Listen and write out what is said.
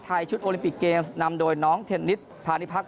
ไทยชุดโอลิมปิคเกมซ์นำโดยน้องเทคนิสพานิพรัก